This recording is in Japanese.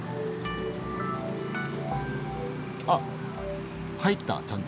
あっ入ったちゃんと。